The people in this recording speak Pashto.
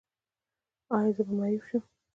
ایا زه به معیوب شم؟